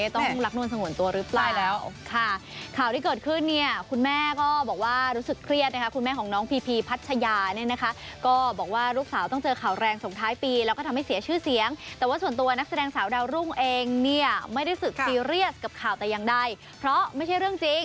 ต้องรักนวลสงวนตัวหรือเปล่าแล้วค่ะข่าวที่เกิดขึ้นเนี่ยคุณแม่ก็บอกว่ารู้สึกเครียดนะคะคุณแม่ของน้องพีพีพัชยาเนี่ยนะคะก็บอกว่าลูกสาวต้องเจอข่าวแรงส่งท้ายปีแล้วก็ทำให้เสียชื่อเสียงแต่ว่าส่วนตัวนักแสดงสาวดาวรุ่งเองเนี่ยไม่ได้ศึกซีเรียสกับข่าวแต่อย่างใดเพราะไม่ใช่เรื่องจริง